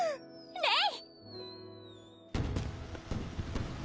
レイ！